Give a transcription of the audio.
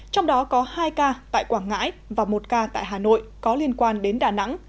trong đó có hai ca tại quảng ngãi và một ca tại hà nội có liên quan đến đà nẵng